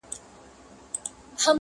لا د ځان سره مي وړي دي دامونه!.